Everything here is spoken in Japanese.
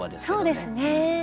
そうですね。